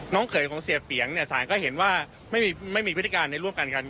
น้องเขยของเสียเปลี่ยงเนี่ยศาลก็เห็นว่าไม่มีไม่มีพิธีการในร่วมกันกัน